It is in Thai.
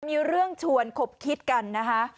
มีเรื่องชวนคบคิดกันนะคะ